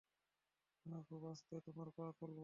শোনো, খুব আস্তে তোমার পা খুলব।